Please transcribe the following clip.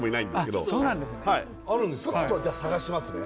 ちょっとじゃ探しますね